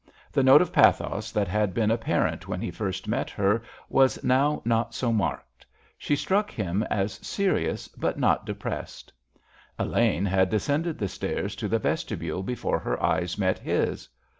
The note of pathos that had been apparent when he first met her was now not so marked. She struck him as serious, but not depressed. Elaine had descended the stairs to the vestibule before her eyes met his.